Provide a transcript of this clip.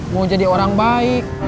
mau jadi orang baik